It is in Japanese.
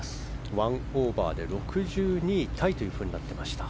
１オーバーで６２位タイとなっていました。